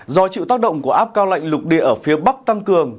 do chịu tác động của áp cao lạnh lục địa ở phía bắc tăng cường